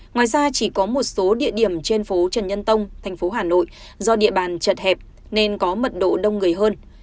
ngoài ra chỉ có một số địa điểm trên phố trần nhân tông thành phố hà nội do địa bàn chật hẹp nên có mật độ đông người hơn